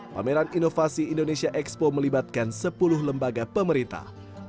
pameran inovasi indonesia expo melibatkan sepuluh lembaga pemerintah